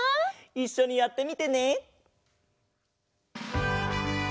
いっしょにやってみてね。